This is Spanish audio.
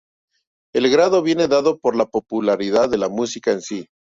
El grado viene dado por la popularidad de la música en sí.